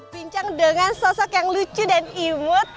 bincang dengan sosok yang lucu dan imut